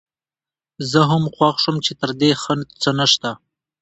زه هم خوښ شوم چې تر دې ښه څه نشته.